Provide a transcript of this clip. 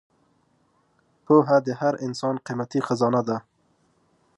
پوهه د هر انسان قیمتي خزانه ده.